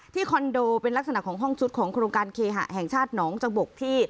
คอนโดเป็นลักษณะของห้องชุดของโครงการเคหะแห่งชาติหนองจบกที่